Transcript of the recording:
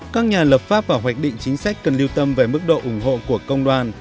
các nhà lập pháp và hoạch định chính sách cần lưu tâm về mức độ ủng hộ của công đoàn